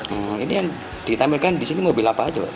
ini yang ditampilkan di sini mobil apa aja pak